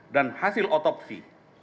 dan hasil otopsi